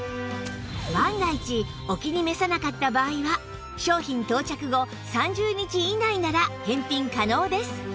万が一お気に召さなかった場合は商品到着後３０日以内なら返品可能です